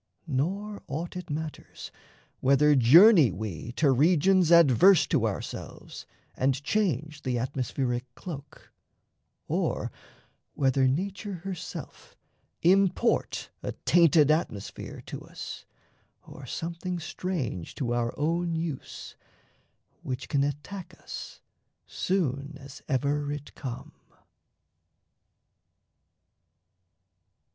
Nor aught it matters whether journey we To regions adverse to ourselves and change The atmospheric cloak, or whether nature Herself import a tainted atmosphere To us or something strange to our own use Which can attack us soon as ever it come.